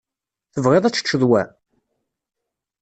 Tebɣiḍ ad teččeḍ wa?